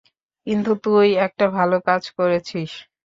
কিন্তু তুই একটা ভালো কাজ করেছিস।